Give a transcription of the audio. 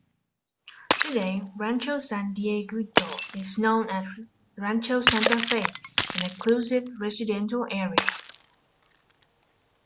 Today Rancho San Dieguito is known as Rancho Santa Fe, an exclusive residential area.